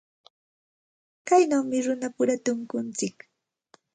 Kaynawmi runapura tunkuntsik.